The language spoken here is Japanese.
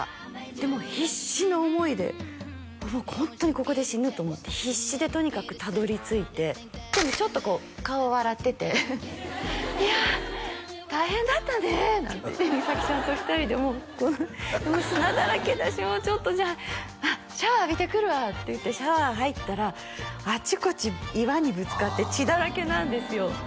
でも必死の思いでもうホントにここで死ぬと思って必死でとにかくたどり着いてでもちょっとこう顔笑ってていや大変だったねなんてミサキちゃんと２人でもう砂だらけだしちょっとじゃあシャワー浴びてくるわっていってシャワー入ったらあちこち岩にぶつかって血だらけなんですよ